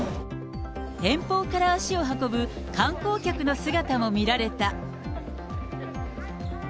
遠方から足を運ぶ観光客の姿も見られた。